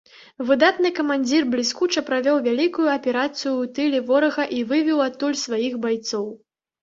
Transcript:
Выдатны камандзір бліскуча правёў вялікую аперацыю ў тыле ворага і вывеў адтуль сваіх байцоў.